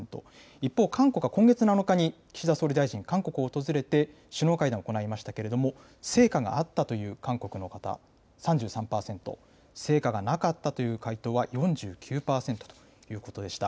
一方、韓国は今月７日に岸田総理大臣、韓国を訪れて首脳会談を行いましたけれども、成果があったという韓国の方、３３％、成果がなかったという回答は４９％ということでした。